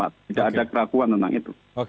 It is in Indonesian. tidak ada keraguan tentang itu